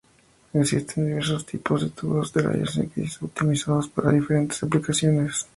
Existen diversos tipos de tubos de rayos X, optimizados para diferentes aplicaciones.